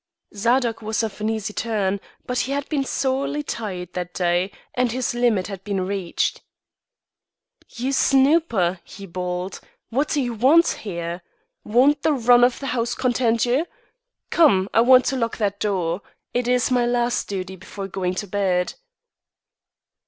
Zadok was of an easy turn, but he had been sorely tried that day, and his limit had been reached. "You snooper!" he bawled. "What do you want here? Won't the run of the house content ye? Come! I want to lock that door. It's my last duty before going to bed."